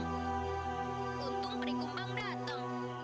untung perikumbang dateng